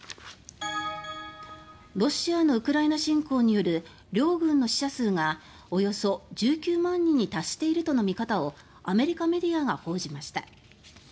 ロシアのウクライナ侵攻による両軍の死者数がおよそ１９万人に達しているとの見方をアメリカメディアが報じました。